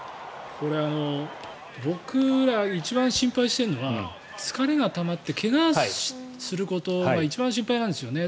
これ、僕ら一番心配しているのは疲れがたまって怪我することが一番心配なんですよね。